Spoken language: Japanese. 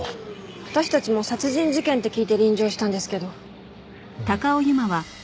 私たちも殺人事件って聞いて臨場したんですけど。